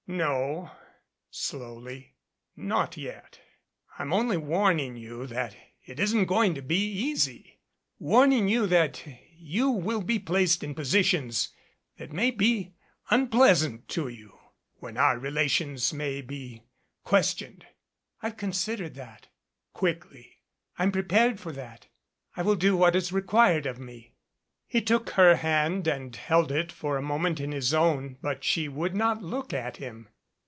"No," slowly. "Not yet. I'm only warning you that it isn't going to be easy warning you that you will be placed in positions that may be unpleasant to you, when our relations may be questioned " "I've considered that," quickly. "I'm prepared for that. I will do what is required of me." He took her hand and held it for a moment in his own, but she would not look at him.